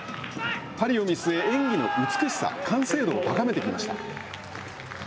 パリを見据え、演技の美しさ、完成度を高めてきました。